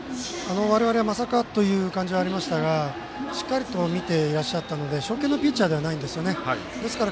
我々、まさかという感じはありましたがしっかりと見てらっしゃったので初見のピッチャーではないんですねですから